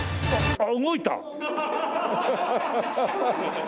あっ動いた！